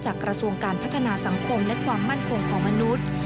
กระทรวงการพัฒนาสังคมและความมั่นคงของมนุษย์